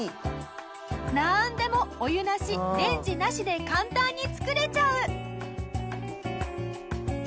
なんでもお湯なしレンジなしで簡単に作れちゃう！